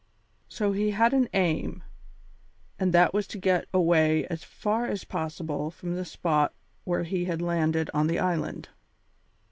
So he had an aim, and that was to get away as far as possible from the spot where he had landed on the island.